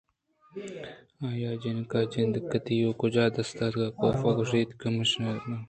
آئیءَ جنک ءِ جند کدی ءُکجا دیستگ؟ کاف ءَ گوٛشت کہہماشپی کہ آ ہرن ہاف ءِ مسافر جاہ ءَ شتگ اَت